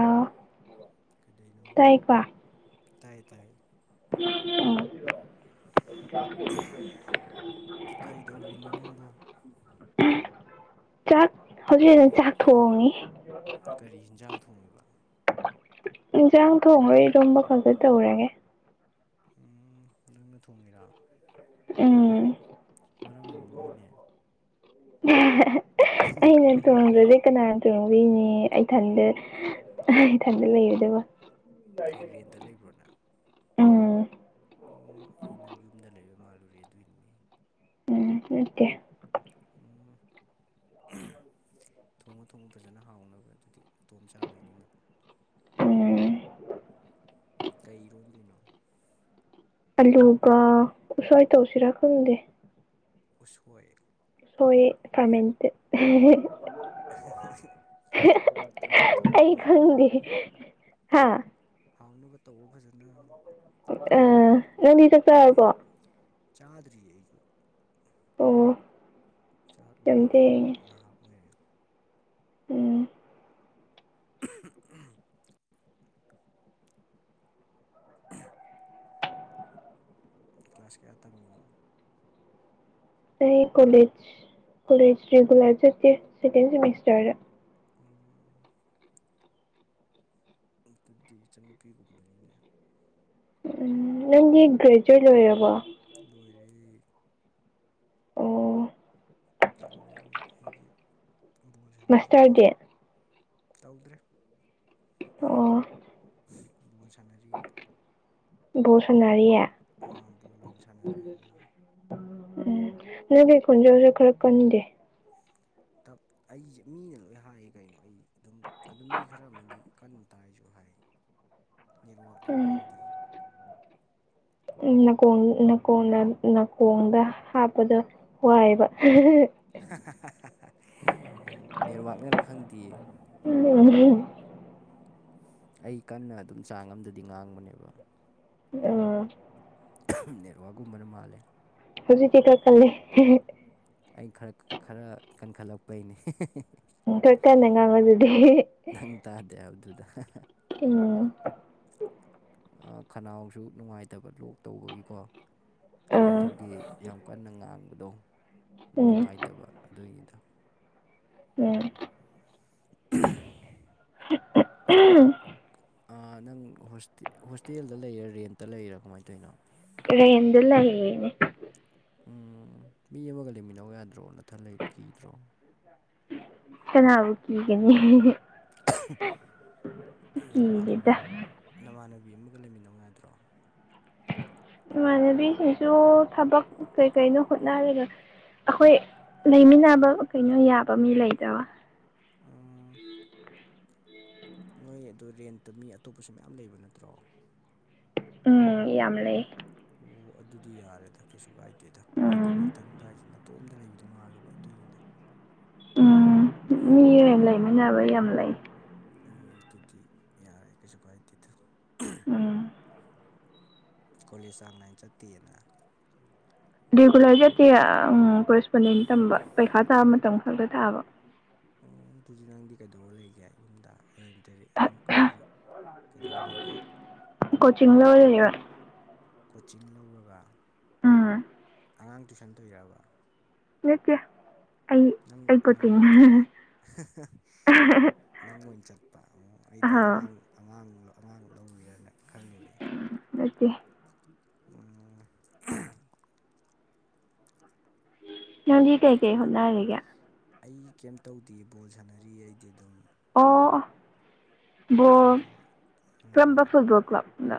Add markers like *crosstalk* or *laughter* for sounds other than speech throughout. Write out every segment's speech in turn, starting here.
ꯑꯥ ꯀꯗꯅꯣ ꯇꯥꯏ ꯇꯥꯏ ꯎꯝ ꯀꯩꯗꯧꯔꯤꯅꯣ ꯅꯪꯕꯨ ꯆꯥꯛ ꯍꯧꯖꯤꯛ ꯍꯧꯖꯤꯝ ꯆꯥꯛ ꯊꯣꯡꯉꯤ ꯀꯔꯤ ꯌꯦꯟꯖꯥꯡ ꯊꯣꯡꯉꯤꯕ ꯏꯟꯁꯥꯡ ꯊꯣꯡꯈꯣꯏꯔꯣꯝꯕ ꯈꯖ ꯇꯧꯔꯒꯦ ꯎꯝ ꯅꯪꯅ ꯊꯣꯡꯉꯤꯔꯥ ꯎꯝ ꯃꯔꯝ ꯑꯃ ꯑꯃꯨꯛ ꯏꯅꯦ ꯑꯩꯅ ꯊꯣꯡꯕꯁꯦ ꯀꯅꯥ ꯊꯣꯡꯗꯅꯦ ꯏꯊꯟꯗ ꯅꯣꯏ ꯏꯊꯟꯗ ꯂꯩꯔꯗꯕ ꯀꯩ ꯔꯦꯟꯇ ꯂꯩꯕ꯭ꯔꯣꯅ ꯎꯝ ꯑꯣ ꯑꯩ ꯅꯪ ꯌꯨꯝꯗ ꯂꯩꯕ ꯃꯥꯜꯂꯨꯔꯦ ꯑꯗꯨꯏꯅꯤꯅꯦ ꯎꯝ ꯑꯣꯀꯦ ꯎꯝ ꯊꯣꯡꯉ ꯊꯣꯡꯉ ꯐꯖꯅ ꯍꯥꯎꯅꯕ ꯑꯗꯨꯗꯤ ꯃꯇꯇꯣꯝ ꯆꯥꯗꯣꯏꯅꯤꯅ ꯎꯝ ꯀꯩꯔꯣꯟꯗꯣꯏꯅꯣ ꯑꯂꯨꯒ ꯀꯁꯋꯥꯥꯏ ꯇꯧꯁꯤꯔꯥ ꯈꯪꯗꯦ ꯎ ꯑꯣꯏꯜ ꯁꯑꯦ ꯐꯥꯃꯦꯟꯇ ꯇꯧꯔꯣ ꯇꯧꯔꯣ ꯍꯥꯎꯅꯕ ꯎꯝ ꯍꯥꯥ ꯍꯥꯎꯅꯕ ꯇꯧꯕ ꯐꯖꯅ ꯑ ꯅꯪꯗꯤ ꯆ ꯆꯔꯀꯣ ꯆꯥꯗꯔꯤ ꯑꯩ ꯑꯣ ꯆꯥꯛ ꯌꯥꯝ ꯂꯣꯏꯕ ꯊꯦꯡꯉꯦ ꯉꯥꯏꯍꯥꯛ ꯑꯣꯏꯔꯦ ꯎꯝ *unintelligible* *unintelligible* ꯀ꯭ꯂꯥꯁ ꯀꯌꯥ ꯇꯝꯃꯤꯅꯣ ꯑꯩ ꯀꯣꯂꯦꯖ ꯀꯣꯂꯦꯖ ꯔꯤꯒꯨꯂꯔ ꯆꯠꯇꯦ ꯁꯦꯀꯦꯟ ꯁꯦꯃꯤꯁꯇꯔꯗ ꯎꯝ ꯑꯗꯨꯗꯤ ꯏꯆꯟꯅꯨꯄꯤꯒꯨꯝꯕꯅꯤꯅꯦ ꯎꯝ ꯅꯪꯒꯤ ꯒ꯭ꯔꯦꯖꯨꯑꯦꯠ ꯂꯣꯏꯔꯕ ꯂꯣꯏꯔ ꯑꯣ ꯂꯣꯔꯦ ꯂꯣꯏ ꯑꯩꯗꯤ ꯕꯣꯜ ꯁꯥꯟꯅꯔꯤꯌꯦ ꯃꯥꯁꯇꯔꯗꯤ ꯇꯧꯗ꯭ꯔꯦ ꯑꯣ ꯚꯣꯜ ꯁꯥꯟꯅꯔꯤ ꯕꯣꯔ ꯁꯅꯔꯤꯌꯥ ꯑꯥ ꯕꯣꯜ ꯑꯣꯏꯅ ꯁꯥꯟꯅꯔꯦ ꯑꯗꯨꯝ ꯎꯝ ꯅꯪꯗꯤ ꯀꯟꯖꯥꯁꯨ ꯈꯔ ꯀꯟꯗꯦ ꯇꯞ ꯑꯩꯁꯦ ꯃꯤꯅ ꯂꯣꯏ ꯍꯥꯏꯌꯦ ꯀꯩꯅꯣ ꯑꯩ ꯑꯗꯨꯝ ꯑꯗꯨ ꯃꯤ ꯈꯔ ꯑꯃꯗꯤ ꯀꯟꯅ ꯇꯥꯏꯁꯨ ꯍꯥꯏ ꯅꯦꯠꯋꯥꯛꯅꯔ ꯈꯪꯗꯦ ꯅꯥꯀꯣꯡ ꯀꯣꯡꯗ ꯅꯥꯀꯣꯡꯗ ꯍꯥꯞꯄꯗ ꯋꯥꯏꯕ ꯅꯦꯠꯋꯥꯛꯅꯔ ꯈꯪꯗꯦ ꯎꯝ ꯑꯩ ꯀꯟꯅ ꯑꯗꯨꯝ ꯆꯥꯡ ꯑꯝꯗꯗꯤ ꯉꯥꯡꯕꯅꯦꯕ ꯎꯝ ꯅꯦꯠꯋꯥꯛꯀꯨꯝꯕꯅ ꯃꯥꯜꯂꯦ ꯍꯧ ꯆꯊ꯭ꯔ ꯀ ꯑꯩ ꯈꯔ ꯈꯔ ꯀꯟꯈꯠꯂꯛꯄꯩꯅꯦ ꯎꯝ ꯈꯔ ꯀꯟꯅ ꯉꯥꯡꯕꯗꯨꯗꯤ ꯅꯪ ꯇꯥꯗꯦꯕꯗꯨꯗ ꯎꯝ ꯈꯅꯥꯎꯁꯨ ꯅꯨꯡꯉꯥꯏꯇꯕ ꯂꯣꯛ ꯇꯧꯕꯒꯤꯀꯣ ꯑꯥ ꯑꯗꯨꯒꯤ ꯌꯥꯝ ꯀꯟꯅ ꯉꯥꯡꯕꯗꯣ ꯎꯝ ꯅꯨꯡꯉꯥꯏꯇꯕ ꯑꯗꯨꯏꯅꯤꯗ ꯎꯝ *inaudible* *unintelligible* ꯅꯪ ꯍꯣꯏꯇꯦ ꯍꯣꯁꯇꯦꯜꯗ ꯂꯩꯔꯥ ꯔꯦꯟꯇ ꯂꯩꯔꯥ ꯀꯃꯥꯏꯅ ꯇꯧꯔꯤꯅꯣ ꯔꯦꯟꯗ ꯂꯩꯅꯦ ꯎꯝ ꯃꯤ ꯑꯃꯒ ꯂꯩꯃꯤꯟꯅꯧ ꯌꯥꯗ꯭ꯔꯣ ꯅꯊꯟ ꯂꯩꯔꯤꯗꯣ ꯀꯤꯗ꯭ꯔꯣ ꯀꯅꯥꯕꯨ ꯀꯤꯒꯅꯤ ꯅꯃꯥꯅꯕꯤ ꯀꯤꯗꯦꯗ ꯑꯝ ꯅꯃꯥꯟꯅꯕꯤ ꯑꯃꯒ ꯂꯩꯃꯤꯟꯅꯧ ꯌꯥꯗ꯭ꯔꯣ ꯏꯃꯥꯟꯅꯕꯤꯁꯤꯡꯁꯨ ꯊꯕꯛ ꯀꯩꯀꯩꯅꯣ ꯍꯣꯠꯅꯔꯒ ꯑꯩꯈꯣꯏ ꯂꯩꯃꯤꯟꯅꯕ ꯀꯩꯅꯣ ꯌꯥꯕ ꯃꯤ ꯂꯩꯗꯕ ꯎꯝ ꯅꯣꯏ ꯑꯗꯨ ꯔꯦꯟꯇ ꯃꯤ ꯑꯇꯣꯞꯄꯁꯨ ꯃꯌꯥꯝ ꯂꯩꯕ ꯅꯠꯇ꯭ꯔꯣ ꯎꯝ ꯌꯥꯝ ꯂꯩ ꯑꯣ ꯑꯗꯨꯗꯤ ꯌꯥꯔꯦꯗ ꯀꯩꯁꯨ ꯀꯥꯏꯗꯦꯗ ꯑꯩꯗꯤ ꯎꯝ ꯅꯊꯟꯗ ꯍꯥꯏꯁꯤ ꯅꯇꯣꯝꯗ ꯂꯩꯕꯗꯣ ꯃꯥꯜꯂꯨꯕ ꯑꯗꯨꯏꯅꯤꯗ ꯎꯝ ꯃꯤ ꯔꯦꯟꯠ ꯂꯩꯃꯤꯟꯅꯕ ꯌꯥꯝ ꯂꯩ ꯎꯝ ꯑꯗꯨꯗꯤ ꯌꯥꯔꯦ ꯀꯩꯁꯨ ꯀꯥꯏꯗꯦꯗ ꯎꯝ ꯀꯣꯂꯦꯖ ꯆꯥꯡ ꯅꯥꯏꯅ ꯆꯠꯇꯦꯅ ꯔꯤꯒꯨꯂꯔ ꯆꯠꯇꯦ ꯀꯣꯔꯦꯁꯄꯣꯟꯗꯦꯟ ꯇꯝꯕ ꯄꯩꯈꯥ ꯇꯥꯕ ꯃꯇꯝ ꯈꯛꯇ ꯊꯥꯕ ꯑꯣ ꯑꯗꯨꯗꯤ ꯅꯪꯗꯤ ꯀꯩꯗꯧꯔ ꯂꯩꯒꯦ ꯌꯨꯝꯗ *unintelligible* ꯑꯗꯨꯝ ꯀꯩꯗꯧꯔ ꯂꯩꯒꯦ ꯀꯣꯆꯤꯡ ꯂꯧꯔ ꯂꯩꯕ ꯀꯣꯆꯤꯡ ꯂꯧꯔꯒ ꯎꯝ ꯑꯉꯥꯡ ꯇꯨꯏꯁꯟ ꯇꯨꯏꯔꯕ ꯅꯠꯇꯦ ꯑꯩ ꯅꯪ ꯑꯩ ꯅꯪ ꯀꯣꯆꯤꯡ ꯑꯣꯏ ꯆꯠ *unintelligible* ꯅꯪ ꯑꯣꯏ ꯆꯠ ꯑꯩꯗꯤ ꯑꯥ ꯑꯉꯥꯡ ꯑꯉꯥꯡ ꯑꯉꯥꯡ ꯂꯧꯅꯤꯅꯅꯦ ꯈꯜꯂꯤ ꯅꯠꯇꯦ *unintelligible* ꯅꯪꯗꯤ ꯀꯩꯀꯩ ꯍꯣꯠꯅꯔꯤꯒꯦ ꯑꯩ ꯀꯩꯝꯇꯧꯗꯦ ꯕꯣꯜ ꯁꯥꯟꯅꯔꯤꯌꯦ ꯑꯩꯗꯤ ꯑꯗꯨꯝ ꯑꯣ ꯕꯣꯜ ꯐꯨꯠꯕꯣꯜ ꯀꯔꯝꯕ ꯎꯝ ꯐꯨꯠꯕꯣꯜ ꯀ꯭ꯂꯕ *unintelligible*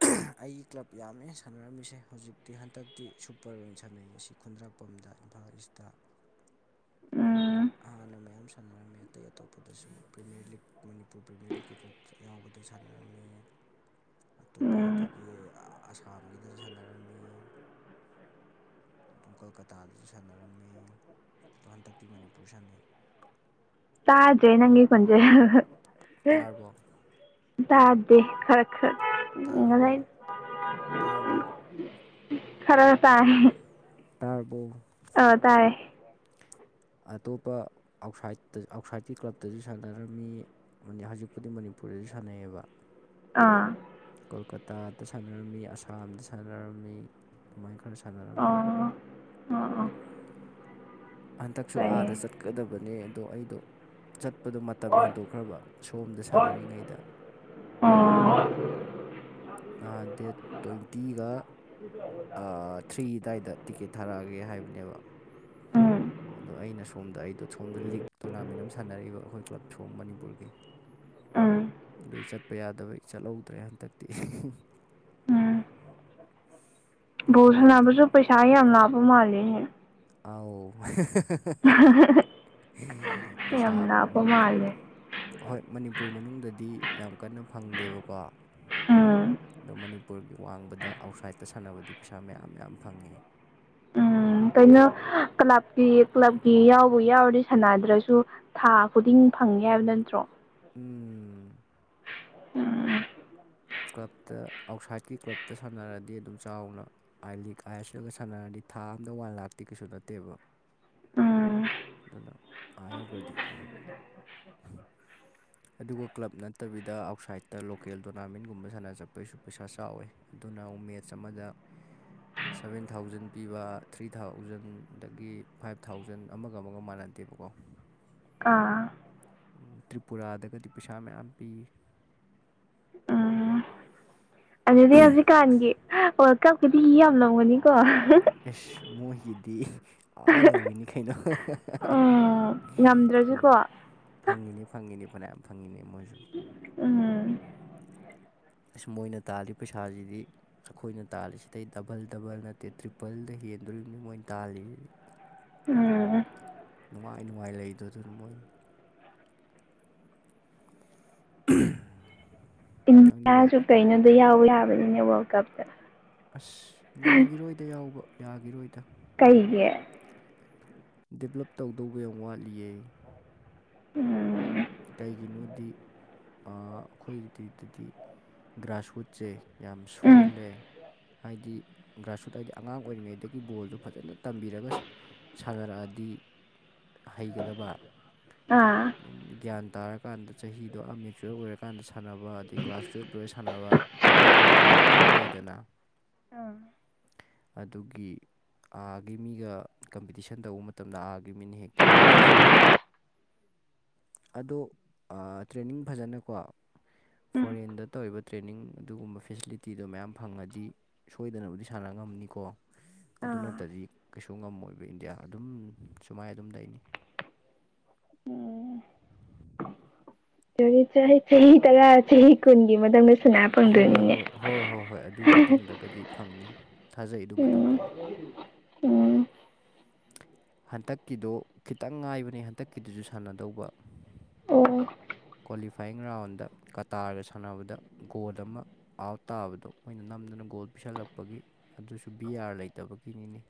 *unintelligible* ꯑꯩ ꯀ꯭ꯂꯕ ꯌꯥꯝꯃꯦ ꯁꯥꯟꯅꯔꯝꯃꯤꯁꯦ ꯍꯧꯖꯤꯛꯇꯤ ꯍꯟꯗꯛꯇꯤ ꯁꯨꯄꯔ ꯑꯣꯏꯅ ꯁꯥꯟꯅꯩ ꯑꯁꯤ ꯈꯨꯟꯗ꯭ꯔꯥꯛ ꯄꯝꯗ ꯏꯝꯐꯥꯜ ꯏꯁꯇ ꯎꯝ ꯍꯥꯟꯅ ꯃꯌꯥꯝ ꯁꯥꯟꯅꯔꯝꯃꯦ ꯑꯇꯩ ꯑꯇꯣꯞꯄꯗꯁꯨ ꯄ꯭ꯔꯤꯃꯤꯌꯔ ꯂꯤꯒ ꯃꯅꯤꯄꯨꯔ ꯄ꯭ꯔꯤꯃꯤꯌꯔ ꯂꯤꯛꯀꯤ ꯀ꯭ꯂꯕ ꯌꯥꯎꯕꯗ ꯁꯥꯟꯅꯔꯝꯃꯦ ꯑꯇꯣꯞꯄ ꯎꯝ ꯑꯗꯒꯤ ꯑꯁꯥꯝꯒꯤꯗꯁꯨ ꯁꯥꯟꯅꯔꯝꯃꯤ ꯑꯗꯨꯝ ꯀꯜꯀꯇꯥꯗꯁꯨ ꯁꯥꯟꯅꯔꯝꯃꯤ ꯑꯗꯣ ꯍꯟꯗꯛꯇꯤ ꯃꯅꯤꯄꯨꯔ ꯁꯥꯟꯅꯩ ꯇꯥꯗ꯭ꯔꯦ ꯅꯪꯒꯤ ꯈꯣꯟꯖꯦꯜ ꯇꯥꯔꯕꯣ ꯇꯥꯗꯦ ꯈꯔ ꯈꯔ ꯇꯥꯔꯕꯣ ꯉꯁꯥꯏ ꯇꯥꯔꯕꯣ ꯈꯔ ꯇꯥꯏ ꯇꯥꯔꯕꯣ ꯑꯥ ꯇꯥꯔꯦ ꯑꯇꯣꯞꯄ ꯑꯥꯎꯠꯁꯥꯏꯠꯇ ꯑꯥꯎꯠꯁꯥꯏꯠꯀꯤ ꯀ꯭ꯂꯞꯇꯁꯨ ꯁꯥꯟꯅꯔꯝꯃꯤ ꯃꯅꯤ ꯍꯧꯖꯤꯛꯄꯨꯗꯤ ꯃꯅꯤꯄꯨꯔꯗꯁꯨ ꯁꯥꯟꯅꯩꯌꯦꯕ ꯑꯥ ꯀꯣꯜꯀꯇꯥꯗ ꯁꯥꯟꯅꯔꯝꯃꯤ ꯑꯁꯥꯝꯗ ꯁꯥꯟꯅꯔꯝꯃꯤ ꯑꯗꯨꯃꯥꯥꯏ ꯈꯔ ꯁꯥꯟꯅꯔꯝꯃꯦ ꯑꯣ ꯑꯣ ꯑꯣ ꯍꯟꯇꯛꯁꯨ ꯐꯩꯌꯦ ꯑꯥꯗ ꯆꯠꯀꯗꯕꯅꯦ ꯑꯗꯣ ꯑꯩꯗꯣ ꯆꯠꯄꯗꯣ ꯃꯇꯝ ꯍꯦꯟꯗꯣꯛꯈ꯭ꯔꯕ ꯁꯣꯝꯗ ꯁꯥꯟꯅꯔꯤꯉꯩꯗ ꯑꯥ ꯅꯍꯥꯟ ꯗꯦꯠ ꯇ꯭ꯋꯦꯟꯇꯤꯒ ꯑ ꯊ꯭ꯔꯤ ꯑꯗꯥꯏꯗ ꯇꯤꯛꯀꯦꯠ ꯊꯥꯔꯛꯑꯒꯦ ꯍꯥꯏꯕꯅꯦꯕ ꯎꯝ ꯑꯗꯣ ꯑꯩꯅ ꯁꯣꯝꯗ ꯑꯩꯗꯣ ꯁꯣꯝꯗ ꯂꯤꯛ ꯇꯣꯔꯅꯥꯃꯦꯟ ꯑꯃ ꯁꯥꯟꯅꯔꯤꯕ ꯑꯩꯈꯣꯏ ꯀ꯭ꯂꯕ ꯁꯣꯝ ꯃꯅꯤꯄꯨꯔꯒꯤ ꯎꯝ ꯑꯗꯨꯏ ꯆꯠꯄ ꯌꯥꯗꯕꯩ ꯆꯠꯍꯧ ꯇꯔꯦ ꯍꯟꯇꯛꯇꯤ ꯕꯣ ꯁꯥꯟꯅꯕꯁꯨ ꯄꯩꯁꯥ ꯌꯥꯝ ꯂꯥꯞꯄ ꯃꯥꯜꯂꯦꯅꯦ ꯑꯥꯎ *unintelligible* ꯄꯩꯁꯥ ꯌꯥꯝ ꯂꯥꯞꯄ ꯎꯝ ꯃꯥꯜꯂꯦ ꯍꯣꯏ ꯃꯅꯤꯄꯨꯔ ꯃꯅꯨꯡꯗꯗꯤ ꯌꯥꯝ ꯀꯟꯅ ꯐꯪꯗꯦꯕꯀꯣ ꯑꯥ ꯑꯗꯣ ꯃꯅꯤꯄꯨꯔꯒꯤ ꯋꯥꯡꯃꯗ ꯑꯥꯎꯠꯁꯥꯏꯠꯇ ꯁꯥꯟꯅꯕꯗꯤ ꯄꯩꯁꯥ ꯃꯌꯥꯝ ꯃꯌꯥꯝ ꯐꯪꯉꯦ ꯎꯝ ꯀꯩꯅꯣ ꯀ꯭ꯂꯕꯀꯤ ꯀ꯭ꯂꯕꯀꯤ ꯌꯥꯎꯕꯨ ꯌꯥꯎꯔꯗꯤ ꯁꯥꯟꯅꯗ꯭ꯔꯁꯨ ꯊꯥ ꯈꯨꯗꯤꯡ ꯐꯪꯉꯦ ꯍꯥꯏꯕ ꯅꯠꯇ꯭ꯔꯣ ꯎꯝ *unintelligible* ꯀ꯭ꯂꯞꯇ ꯑꯥꯎꯠꯁꯥꯏꯠꯀꯤ ꯀ꯭ꯂꯞꯇ ꯁꯥꯟꯅꯔꯗꯤ ꯑꯗꯨꯝ ꯆꯥꯎꯅ ꯑꯥꯏ ꯂꯤꯛ ꯑꯥꯏꯁꯦꯜꯒ ꯁꯥꯟꯅꯔꯗꯤ ꯊꯥ ꯑꯝꯗ ꯋꯥꯟ ꯂꯥꯛꯇꯤ ꯀꯩꯁꯨ ꯅꯠꯇꯦꯕ ꯎꯝ ꯑꯗꯨꯅ ꯑꯥ ꯌꯧꯒ꯭ꯔꯗꯤ ꯑꯗꯨꯒ ꯀ꯭ꯂꯕ ꯅꯠꯇꯕꯤꯗ ꯑꯥꯎꯠꯁꯥꯏꯠꯇ ꯂꯣꯀꯦꯜ ꯇꯣꯔꯅꯥꯃꯦꯟ ꯒꯨꯝꯕ ꯁꯥꯟꯅ ꯆꯠꯄꯩꯁꯨ ꯄꯩꯁꯥ ꯆꯥꯎꯋꯦ ꯑꯗꯨꯅ ꯑꯃꯨꯛ ꯃꯦꯠꯁ ꯑꯃꯗ ꯁꯕꯦꯟꯊꯥꯎꯖꯟ ꯄꯤꯕ ꯊ꯭ꯔꯤꯊꯥꯎꯖꯟ ꯑꯗꯒꯤ ꯐꯥꯏꯚꯊꯥꯎꯖꯟ ꯑꯃꯒ ꯑꯃꯒ ꯃꯥꯟꯅꯗꯦꯕ ꯀꯣ ꯑꯥ ꯇ꯭ꯔꯤꯄꯨꯔꯥꯗꯒꯗꯤ ꯄꯩꯁꯥ ꯃꯌꯥꯝ ꯄꯤ ꯎꯝ ꯑꯗꯨꯗꯤ ꯍꯧꯖꯤꯛꯀꯥꯟꯒꯤ ꯋꯥꯔꯜ ꯀꯞꯀꯤꯗꯤ ꯌꯥꯝꯂꯝꯒꯅꯤꯀꯣ ꯏꯁ ꯃꯣꯏꯒꯤꯗꯤ ꯑꯥ ꯌꯧꯋꯤꯅꯤ ꯀꯩꯅꯣ ꯎꯝ ꯍꯣꯏ ꯉꯝꯗ꯭ꯔꯁꯨꯀꯣ ꯐꯪꯉꯤꯅꯤ ꯐꯪꯉꯤꯅꯤ ꯐꯅꯌꯥꯝ ꯐꯪꯉꯤꯅꯦ ꯃꯣꯏꯖꯨ ꯎꯝ ꯑꯁ ꯃꯣꯏꯅ ꯇꯥꯜꯂꯤ ꯄꯩꯁꯥꯁꯤꯗꯤ ꯑꯩꯈꯣꯏꯅ ꯇꯥꯜꯂꯤꯁꯤꯗꯩ ꯗꯕꯜ ꯗꯕꯜ ꯅꯠꯇꯦ ꯇ꯭ꯔꯤꯄꯜꯗ ꯍꯦꯟꯗꯣꯔꯤꯕꯅꯤ ꯃꯣꯏꯅ ꯇꯥꯜꯂꯤꯖꯤꯗꯤ *inaudible* ꯎꯝ ꯅꯨꯡꯉꯥꯏ ꯅꯨꯡꯉꯥꯏ ꯂꯩꯗꯣ ꯑꯗꯨꯅ ꯃꯣꯏ *unintelligible* ꯏꯟꯗꯤꯌꯥꯁꯨ ꯋꯥꯔꯜ ꯀꯩꯅꯣꯗ ꯌꯥꯎ ꯌꯥꯕꯅꯤꯅꯦ ꯋꯥꯔꯜꯀꯞꯇ ꯑꯁ ꯉꯝꯒꯤꯔꯣꯏꯗ ꯌꯥꯎꯕ ꯌꯥꯒꯤꯔꯣꯏꯗ ꯀꯩꯒꯤ ꯗꯤꯕ꯭ꯂꯞ ꯇꯧꯗꯧꯕ ꯌꯥꯝ ꯋꯥꯠꯂꯤꯌꯦ ꯎꯝ ꯀꯩꯒꯤꯅꯣꯗꯤ ꯑꯥ ꯑꯩꯈꯣꯏꯗꯤꯗꯗꯤ ꯒ꯭ꯔꯥꯁꯍꯨꯠ ꯁꯦ ꯌꯥꯝ ꯎꯝ ꯁꯣꯜꯂꯦ ꯍꯥꯏꯗꯤ ꯒ꯭ꯔꯥꯁꯔꯨꯠ ꯍꯥꯏꯗꯤ ꯑꯉꯥꯡ ꯑꯣꯏꯔꯤꯉꯩꯗꯒꯤ ꯕꯣꯜꯗꯣ ꯐꯖꯅ ꯇꯝꯕꯤꯔꯒ ꯁꯥꯟꯅꯔꯛꯑꯗꯤ ꯍꯩꯒꯗꯕ ꯑꯥ *unintelligible* ꯒ꯭ꯌꯥꯟ ꯇꯥꯔꯀꯥꯟꯗ ꯆꯍꯤꯗꯣ ꯑ ꯃꯦꯆ꯭ꯌꯣꯔ ꯑꯣꯏꯔꯀꯥꯟꯗ ꯁꯥꯟꯅꯕ ꯑꯗꯩ ꯀ꯭ꯂꯥꯁ ꯇꯨꯌꯦꯜꯞ ꯂꯣꯏꯔ ꯁꯥꯟꯅꯕ ꯑꯗꯨꯒꯨꯝꯕ ꯃꯌꯥꯝ ꯂꯩꯗꯅ ꯎꯝ ꯑꯗꯨꯒꯤ ꯑꯥꯒꯤ ꯃꯤꯒ ꯀꯝꯄꯤꯇꯤꯁꯟ ꯇꯧꯕ ꯃꯇꯝꯗ ꯑꯥꯒꯤ ꯃꯤꯅ ꯍꯦꯛꯇ ꯍꯦꯜꯂꯤꯁꯦ ꯑꯗꯣ ꯇ꯭ꯔꯦꯅꯤꯡ ꯐꯖꯅꯀꯣ ꯎꯝ ꯐꯣꯔꯦꯟꯗ ꯇꯧꯔꯤꯕ ꯇ꯭ꯔꯦꯟꯅꯤꯡ ꯑꯗꯨꯒꯨꯝꯕ ꯐꯦꯁꯤꯂꯤꯇꯤ ꯇꯤꯗꯣ ꯃꯌꯥꯝ ꯐꯪꯉꯗꯤ ꯁꯣꯏꯗꯅꯕꯨꯗꯤ ꯁꯥꯟꯅ ꯉꯝꯅꯤꯀꯣ ꯑꯗꯨ ꯑꯥ ꯅꯠꯇꯗꯤ ꯀꯩꯁꯨ ꯉꯝꯃꯣꯏꯕ ꯏꯟꯗꯤꯌꯥ ꯑꯗꯨꯝ ꯁꯨꯃꯥꯏꯅ ꯑꯗꯨꯝ ꯂꯩꯅꯤ ꯎꯝ ꯆꯍꯤꯆꯍꯤ ꯆꯍꯤ ꯇꯔꯥ ꯆꯍꯤ ꯀꯣꯟꯒꯤ ꯃꯊꯪꯗ ꯍꯣꯏ ꯍꯣꯏ ꯍꯣꯏ ꯍꯣꯏ ꯍꯣꯏ ꯑꯗꯨ ꯃꯇꯨꯡꯗꯒꯗꯤ ꯐꯪꯅꯤ ꯊꯥꯖꯩ ꯑꯗꯨ ꯃꯇꯨꯡꯗꯗꯤ ꯎꯝ *unintelligible* ꯍꯟꯇꯛꯀꯤꯗꯣ ꯈꯤꯇꯪ ꯉꯥꯏꯕꯅꯦ ꯍꯟꯇꯛꯀꯤꯗꯨꯁꯨ ꯁꯥꯟꯅꯗꯧꯕ ꯑꯣ ꯀ꯭ꯋꯥꯂꯤꯐꯥꯏꯌꯤꯡ ꯔꯥꯎꯟꯗ ꯀꯇꯥꯔꯒ ꯁꯥꯟꯅꯕꯗ ꯒꯣꯜ ꯑꯃ ꯑꯥꯎꯠ ꯇꯥꯕꯗꯣ ꯃꯣꯏꯅ ꯅꯝꯗꯨꯅ ꯒꯣꯜ ꯄꯤꯁꯜꯂꯛꯄꯒꯤ ꯑꯗꯨꯁꯨ ꯕꯤ ꯑꯥꯔ ꯂꯩꯇꯕꯒꯤꯅꯤꯅꯦ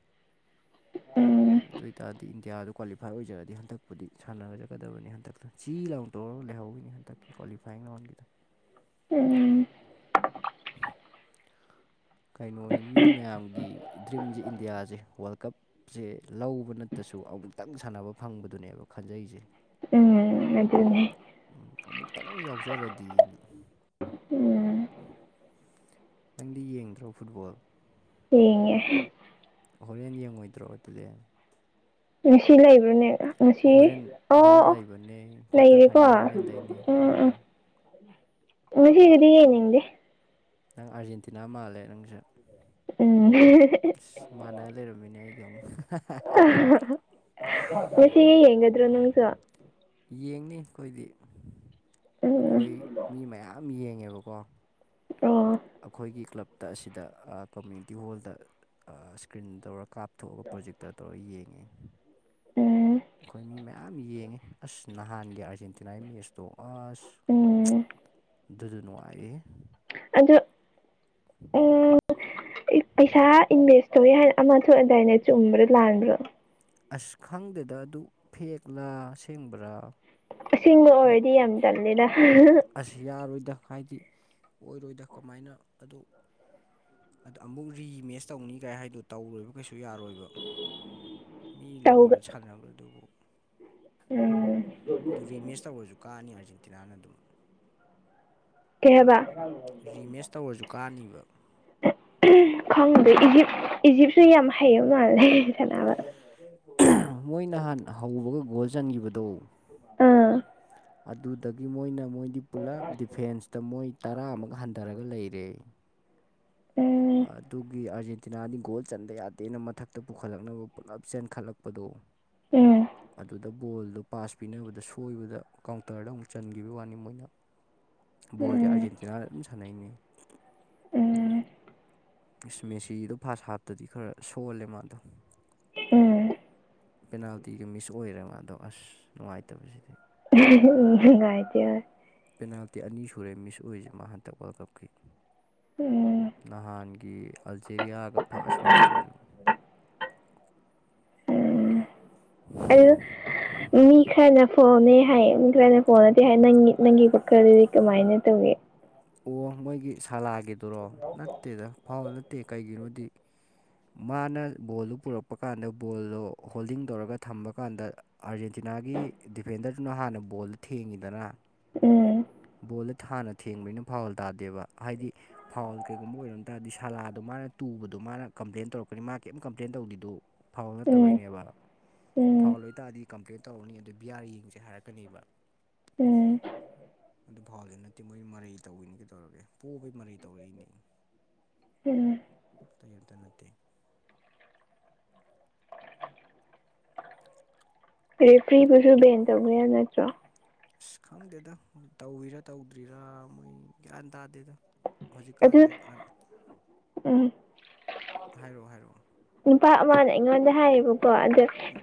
ꯎꯝ ꯑꯗꯨ ꯑꯣꯏ ꯇꯔꯗꯤ ꯏꯟꯗꯤꯌꯥꯗ ꯀ꯭ꯋꯥꯂꯤꯐꯥꯏ ꯑꯣꯏꯖꯔꯒꯗꯤ ꯍꯟꯗꯛꯄꯨꯗꯤ ꯁꯥꯟꯅꯔꯖꯒꯗꯕꯅꯤ ꯍꯟꯗꯛꯇ ꯆꯤ ꯂꯥꯎꯗꯧꯔꯤꯅꯤ ꯂꯩꯍꯧꯔꯦ ꯍꯟꯇꯛꯀꯤ ꯀ꯭ꯋꯥꯂꯤꯐꯥꯏꯌꯤꯡ ꯔꯥꯎꯟꯗꯒꯤꯗ ꯎꯝ ꯀꯩꯅꯣꯅꯤ ꯃꯤ ꯃꯌꯥꯝꯒꯤ ꯗ꯭ꯔꯤꯝꯁꯦ ꯏꯟꯗꯤꯌꯥꯁꯦ ꯋꯥꯔꯜ ꯀꯞ ꯁꯦ ꯂꯧꯕ ꯅꯠꯇꯁꯨ ꯑꯃꯨꯛꯇꯪ ꯁꯥꯟꯅꯕ ꯐꯪꯕꯗꯨꯅꯦꯕ ꯈꯟꯖꯩꯁꯦ ꯎꯝ ꯑꯗꯨꯅꯦ ꯎꯝ ꯑꯃꯨꯛꯇꯪ ꯌꯥꯎꯖꯔꯗꯤꯅ ꯎꯝ ꯅꯪꯗꯤ ꯌꯦꯡꯗ꯭ꯔꯣ ꯐꯨꯠꯕꯣꯜ ꯌꯦꯡꯉꯦ ꯍꯣꯔꯦꯟ ꯌꯦꯡꯉꯣꯏꯗ꯭ꯔꯣ ꯑꯗꯨꯗꯤ ꯉꯁꯤ ꯂꯩꯕ꯭ꯔꯅꯦ ꯍꯣꯔꯦꯟ ꯍꯣꯔꯦꯟ ꯂꯩꯕꯅꯦ ꯀ꯭ꯋꯥꯔꯇꯔ ꯂꯩꯔꯦꯀꯣ ꯐꯥꯏꯅꯦꯜ ꯍꯣꯔꯦꯟꯗꯩꯅꯦ ꯎꯝ *inaudible* ꯉꯁꯤꯒꯤꯗꯤ ꯌꯦꯡꯅꯤꯡꯗꯦ ꯅꯪ ꯑꯥꯔꯖꯦꯟꯇꯤꯅꯥ ꯃꯥꯜꯂꯦ ꯅꯪꯁꯦ ꯎꯝ ꯑꯁ ꯃꯥꯟꯅ ꯂꯩꯔꯝꯃꯦꯅꯦ ꯑꯩꯥꯒꯃꯨꯛ ꯉꯁꯤꯒꯤ ꯌꯦꯡꯒꯗ꯭ꯔꯣ ꯅꯪꯁꯨ ꯌꯦꯡꯅꯤ ꯑꯩꯈꯣꯏꯗꯤ ꯎꯝ ꯑꯩꯈꯣꯏ ꯃꯤ ꯃꯌꯥꯝ ꯌꯦꯡꯉꯦꯕꯀꯣ ꯑꯣ ꯑꯩꯈꯣꯏꯒꯤ ꯀ꯭ꯂꯞꯇ ꯑꯁꯤꯗ ꯑ ꯀꯝꯃꯨꯅꯤꯇꯤ ꯍꯣꯜꯗ ꯑ ꯏꯁꯀ꯭ꯔꯤꯟ ꯇꯧꯔ ꯀꯥꯞꯊꯣꯛꯑꯒ ꯄ꯭ꯔꯣꯖꯦꯛꯇꯔ ꯇꯧꯔ ꯌꯦꯡꯉꯤ ꯎꯝ ꯑꯩꯈꯣꯏ ꯃꯤ ꯃꯌꯥꯝ ꯌꯦꯡꯉꯤ ꯑꯁ ꯅꯍꯥꯟꯒꯤ ꯑꯥꯔꯖꯦꯟꯇꯤꯅꯥꯒꯤ ꯃꯦꯠꯁꯇꯣ ꯑꯁ ꯎꯝ ꯑꯗꯨꯁꯨ ꯅꯨꯡꯉꯥꯏꯑꯦ ꯑꯗꯣ ꯑꯩ ꯑꯩ ꯄꯩꯁꯥ ꯏꯟꯚꯦꯁ ꯇꯧꯋꯤ ꯍꯥꯏꯅ ꯑꯃ ꯊꯣꯛꯑꯦꯗꯥꯏꯅꯦ ꯆꯨꯝꯕ꯭ꯔꯥ ꯂꯥꯟꯕ꯭ꯔꯣ ꯑꯁ ꯈꯪꯗꯦꯗ ꯑꯗꯨ ꯐꯦꯛꯂꯥ ꯑꯁꯦꯡꯕ꯭ꯔꯥ ꯑꯁꯦꯡꯕ ꯑꯣꯏꯔꯗꯤ ꯌꯥꯝ ꯆꯜꯂꯦꯗ ꯑꯁ ꯌꯥꯔꯣꯏꯗ ꯍꯥꯏꯗꯤ ꯑꯣꯏꯔꯣꯏꯗ ꯀꯃꯥꯏꯅ ꯑꯗꯨ ꯑꯗ ꯑꯃꯨꯛ ꯔꯤꯃꯦꯠꯁ ꯇꯧꯅꯤ ꯀꯥꯏ ꯍꯥꯏꯗꯣ ꯇꯧꯔꯣꯏꯕ ꯀꯩꯁꯨ ꯌꯥꯔꯣꯏꯕ ꯃꯤ ꯇꯧꯒ ꯂꯣꯏꯒ꯭ꯔꯥ ꯁꯥꯟꯅꯕꯗꯨꯕꯨ ꯎꯝ ꯑꯗꯨ ꯔꯤꯃꯦꯁ ꯇꯧꯔꯁꯨ ꯀꯥꯅꯤ ꯑꯥꯔꯖꯦꯟꯇꯤꯅꯥꯅ ꯑꯗꯨꯝ ꯀꯩ ꯍꯥꯏꯕ ꯔꯤꯃꯦꯁ ꯇꯧꯔꯁꯨ ꯀꯥꯅꯤꯕ ꯈꯪꯗ ꯏꯖꯤꯞ ꯏꯖꯤꯞꯁꯨ ꯌꯥꯝ ꯍꯩꯕ ꯃꯥꯜꯂꯦ ꯁꯥꯟꯅꯕꯗ ꯃꯣꯏ ꯅꯍꯥꯟ ꯍꯧꯕꯒ ꯒꯣꯜ ꯆꯟꯈꯤꯕꯗꯣ ꯎꯝ ꯑꯗꯨꯗꯒꯤ ꯃꯣꯏꯅ ꯃꯣꯏꯗꯤ ꯄꯨꯂꯞ ꯗꯤꯐꯦꯟꯁꯇ ꯃꯣꯏ ꯇꯔꯥꯃꯨꯛ ꯍꯟꯊꯔꯒ ꯂꯩꯔꯦ ꯎꯝ ꯑꯗꯨꯒꯤ ꯑꯥꯔꯖꯦꯟꯇꯤꯅꯥꯗꯤ ꯒꯣꯜ ꯆꯟꯗ ꯌꯥꯗꯦꯅ ꯃꯊꯛꯇ ꯄꯨꯈꯠꯂꯛꯅꯕ ꯄꯨꯜꯂꯞ ꯆꯦꯟꯈꯠꯂꯛꯄꯗꯣ ꯎꯝ ꯑꯗꯨꯗ ꯕꯣꯜꯗꯣ ꯄꯥꯁ ꯄꯤꯅꯕꯗ ꯁꯣꯏꯕꯗ ꯀꯥꯎꯟꯇꯔꯗ ꯑꯃꯨꯛ ꯆꯟꯒꯤꯕꯩ ꯋꯥꯅꯤ ꯃꯣꯏꯅ ꯕꯣꯜꯗꯤ ꯎꯝ ꯑꯥꯔꯖꯦꯟꯇꯤꯅꯥ ꯑꯗꯨꯝ ꯁꯥꯟꯅꯩꯅꯦ ꯎꯝ ꯏꯁ ꯃꯦꯁꯤꯗꯣ ꯐꯥꯁ ꯍꯥꯞꯇꯗꯤ ꯈꯔ ꯁꯣꯜꯂꯦ ꯃꯥꯗꯣ ꯎꯝ ꯄꯦꯅꯥꯜꯇꯤꯒ ꯃꯤꯁ ꯑꯣꯏꯔꯦ ꯃꯥꯗꯣ ꯑꯁ ꯅꯨꯡꯉꯥꯏꯇꯕꯁꯤꯗꯤ *unintelligible* ꯅꯨꯡꯉꯥꯏꯇꯦ ꯄꯦꯅꯥꯜꯇꯤ ꯑꯅꯤ ꯁꯨꯔꯦ ꯃꯤꯁ ꯑꯣꯏꯁꯦ ꯃꯥ ꯍꯟꯇꯛ ꯋꯥꯔꯜ ꯀꯞꯀꯤ ꯎꯝ ꯅꯍꯥꯟ ꯒꯤ ꯑꯜꯖꯦꯔꯤꯌꯥꯒ ꯐꯥꯁ ꯃꯤꯁꯇꯨꯁꯨ ꯎꯝ ꯑꯗꯨ ꯃꯤ ꯈꯔꯅ ꯐꯣꯜꯃꯦ ꯍꯥꯏꯌꯦ ꯃꯤ ꯈꯔꯅ ꯐꯣꯜꯅꯇꯦ ꯍꯥꯏ ꯅꯪ ꯅꯪꯒꯤ *unintelligible* ꯗꯗꯤ ꯀꯃꯥꯏꯅ ꯇꯧꯏ ꯑꯣ ꯃꯣꯏꯒꯤ ꯁꯥꯂꯥꯒꯤꯗꯨꯔꯣ ꯅꯠꯇꯦꯗ ꯐꯥꯎꯜ ꯅꯠꯇꯦ ꯀꯩꯒꯤꯅꯣꯗꯤ ꯃꯥꯅ ꯕꯣꯜꯗꯨ ꯄꯨꯔꯛꯄ ꯀꯥꯟꯗ ꯕꯣꯜꯗꯣ ꯍꯣꯜꯗꯤꯡ ꯇꯧꯔꯒ ꯊꯝꯕ ꯀꯥꯟꯗ ꯑꯥꯔꯖꯦꯟꯇꯤꯅꯥꯒꯤ ꯗꯤꯐꯦꯟꯗꯔꯗꯨꯅ ꯍꯥꯟꯅ ꯕꯣꯜꯗꯨ ꯊꯦꯡꯉꯤꯗꯅ ꯎꯝ ꯕꯣꯜꯗ ꯍꯥꯟꯅ ꯊꯦꯡꯕꯅꯤꯅ ꯐꯥꯎꯜ ꯇꯥꯗꯦꯕ ꯍꯥꯏꯗꯤ ꯐꯥꯎꯜ ꯀꯩꯒꯨꯝꯕ ꯑꯣꯏꯔꯝ ꯇꯥꯔꯗꯤ ꯁꯥꯂꯥꯗꯣ ꯃꯥꯅ ꯇꯨꯕꯗꯣ ꯃꯥꯅ ꯀꯝꯄ꯭ꯂꯦꯟ ꯇꯧꯔꯛꯀꯅꯤ ꯃꯥ ꯀꯩꯝ ꯀꯝꯄ꯭ꯂꯦꯟ ꯇꯧꯗꯗꯨꯣ ꯐꯥꯎꯜ ꯎꯝ ꯅꯠꯇꯕꯩꯅꯦꯕ ꯎꯝ ꯐꯥꯎꯜ ꯂꯣꯏ ꯇꯥꯔꯗꯤ ꯀꯝꯄ꯭ꯂꯦꯟ ꯇꯧꯔꯅꯤ ꯑꯗꯨꯗ ꯕꯤ ꯑꯔ ꯌꯦꯡꯁꯦ ꯍꯥꯏꯔꯛꯀꯅꯦꯕ ꯎꯝ ꯑꯗꯨ ꯐꯥꯎꯜꯗꯤ ꯅꯠꯇꯦ ꯃꯣꯏ ꯃꯔꯩ ꯇꯧꯋꯤꯅꯤ ꯀꯩ ꯇꯧꯔꯒꯦ ꯄꯣꯕꯩ ꯃꯔꯩ ꯇꯧꯔꯛꯏꯅꯦ ꯎꯝ ꯀꯔꯤꯝꯇ ꯅꯠꯇꯦ ꯑꯗꯩ ꯐ꯭ꯔꯤꯕꯨꯁꯨ ꯕꯦꯟ ꯇꯧꯕ ꯌꯥ ꯅꯠꯇ꯭ꯔꯣ *unintelligible* ꯑꯁ ꯈꯪꯗꯦꯗ ꯇꯧꯔꯤꯔꯥ ꯇꯧꯗ꯭ꯔꯤꯔꯥ ꯃꯣꯏ ꯒ꯭ꯌꯥꯟ ꯇꯥꯗꯦꯗ ꯑꯗꯨ ꯍꯧꯖꯤꯛꯀꯥꯟꯁꯦ ꯎꯝ ꯍꯥꯏꯔꯣ ꯍꯥꯏꯔꯣ ꯅꯨꯄꯥ ꯑꯃꯅ ꯑꯩꯉꯣꯟꯗ ꯍꯥꯏꯌꯦꯕꯀꯣ ꯑꯗꯣ ꯎꯝ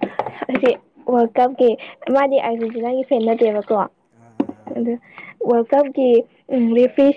ꯍꯥꯏꯗꯤ ꯋꯥꯔꯜ ꯀꯞꯀꯤ ꯃꯥꯗꯤ ꯑꯥꯔꯖꯦꯟꯇꯤꯅꯥꯒꯤ ꯐꯦꯟ ꯅꯠꯇꯦꯕꯀꯣ ꯑ ꯑ ꯑ ꯋꯥꯔꯜ ꯀꯞꯀꯤ ꯂꯦꯞꯄꯤ